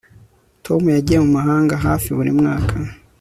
Tom yagiye mu mahanga hafi buri mwaka